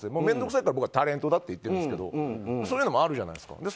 面倒くさいから僕はタレントって言ってるんですけどそういうのもあるじゃないですか。